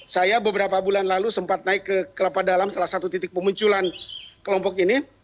saya beberapa bulan lalu sempat naik ke kelapa dalam salah satu titik pemunculan kelompok ini